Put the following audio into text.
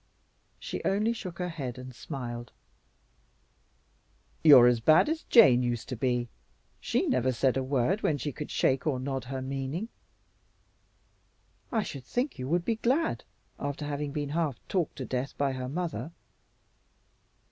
She only shook her head and smiled. "You're as bad as Jane used to be. She never said a word when she could shake or nod her meaning." "I should think you would be glad, after having been half talked to death by her mother."